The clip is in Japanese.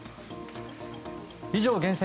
以上、厳選！